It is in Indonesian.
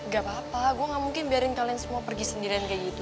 gak apa apa gue gak mungkin biarin kalian semua pergi sendirian kayak gitu